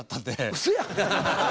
うそやん！